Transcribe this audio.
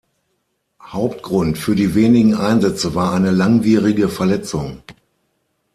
Hauptgrund für die wenigen Einsätze war eine langwierige Verletzung.